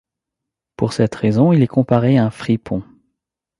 Pour cette raison, il est comparé à un fripon.